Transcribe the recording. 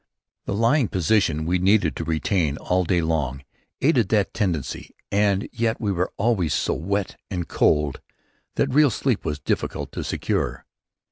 The lying position we needs must retain all day long aided that tendency, and yet we were always so wet and cold that real sleep was difficult to secure.